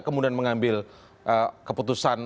kemudian mengambil keputusan